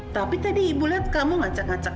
tapi tadi ibu lihat kamu ngacak ngacak